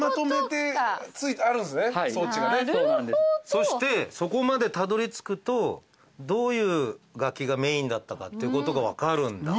そしてそこまでたどりつくとどういう楽器がメインだったかっていうことが分かるんだ。